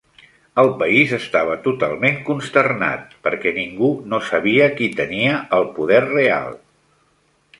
El país estava totalment consternat, perquè ningú no sabia qui tenia el poder real.